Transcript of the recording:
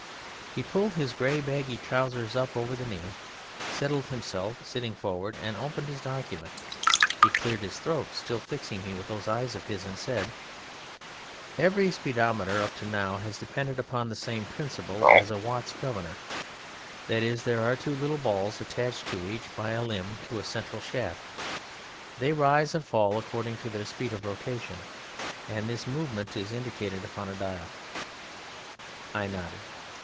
He pulled his grey baggy trousers up over the knee, settled himself, sitting forward, and opened his document. He cleared his throat, still fixing me with those eyes of his, and said "Every speedometer up to now has depended upon the same principle as a Watt's governor; that is, there are two little balls attached to each by a limb to a central shaft: they rise and fall according to their speed of rotation, and this movement is indicated upon a dial." I nodded.